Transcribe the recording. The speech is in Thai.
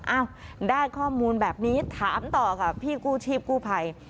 อ้าวได้ข้อมูลแบบนี้ถามต่อค่ะพี่กู้ชีพกู้ภัย